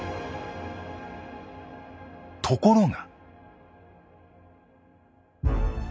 ところが。